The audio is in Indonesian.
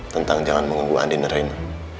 tentang jalan mengunggu andi neraima